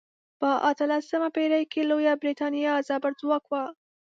په اتلسمه پیړۍ کې لویه بریتانیا زبرځواک وه.